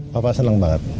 bapak senang banget